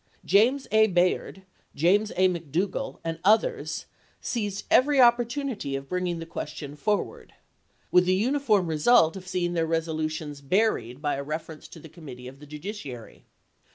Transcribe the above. James A. Bayard, James A. McDougaU, and others, seized every opportunity of bringing the question forward, with 32 ABEAHAM LINCOLN Chap. II. tliG uuif orm result of seeing their resolutions bur ied by a reference to the Committee of the Judi Feb. 14. ciary.